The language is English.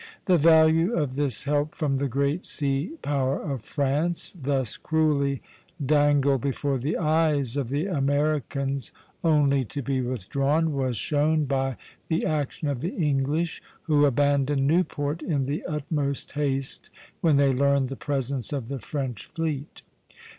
The value of this help from the great sea power of France, thus cruelly dangled before the eyes of the Americans only to be withdrawn, was shown by the action of the English, who abandoned Newport in the utmost haste when they learned the presence of the French fleet.